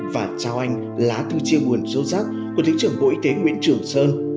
và trao anh lá thư chia nguồn sâu sắc của thế trưởng bộ y tế nguyễn trường sơn